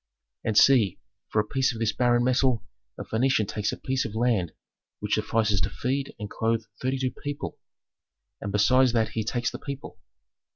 "And see, for a piece of this barren metal a Phœnician takes a piece of land which suffices to feed and clothe thirty two people, and besides that he takes the people.